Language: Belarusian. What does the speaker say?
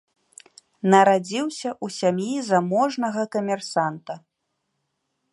Нарадзіўся ў сям'і заможнага камерсанта.